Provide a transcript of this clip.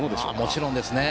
もちろんですね。